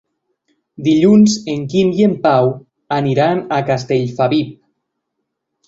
Dilluns en Quim i en Pau aniran a Castellfabib.